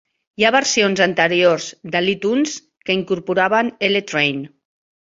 Hi ha versions anteriors de l'iTunes que incorporaven "L Train".